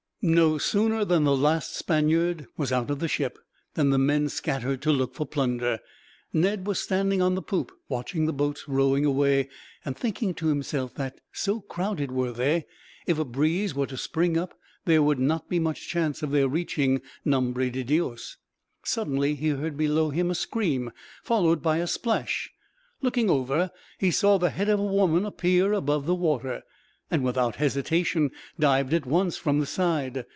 No sooner was the last Spaniard out of the ship, than the men scattered to look for plunder. Ned was standing on the poop, watching the boats rowing away, and thinking to himself that, so crowded were they, if a breeze were to spring up there would not be much chance of their reaching Nombre de Dios. Suddenly he heard below him a scream, followed by a splash; looking over, he saw the head of a woman appear above the water, and without hesitation dived at once from the side.